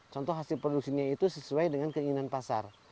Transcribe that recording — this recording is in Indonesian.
contoh hasil produksinya itu sesuai dengan keinginan pasar